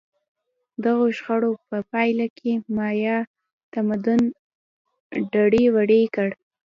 دغو شخړو په پایله کې مایا تمدن دړې وړې کړ.